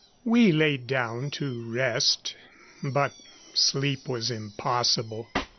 We laid down to rest, but sleep was impossible.